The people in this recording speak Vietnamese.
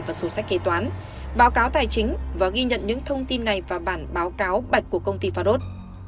và số sách kế toán báo cáo tài chính và ghi nhận những thông tin này vào bản báo cáo bạch của công ty farros